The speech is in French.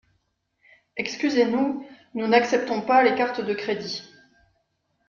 Excusez-nous, nous n’acceptons pas les cartes de crédit.